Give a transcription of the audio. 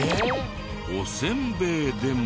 おせんべいでも。